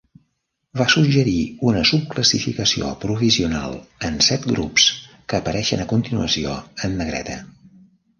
Va suggerir una subclassificació provisional en set grups, que apareixen a continuació en negreta.